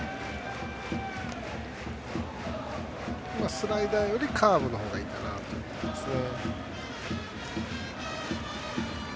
スライダーよりカーブの方がいいかなという気がしますね。